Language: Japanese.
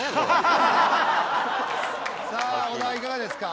さあ小田いかがですか？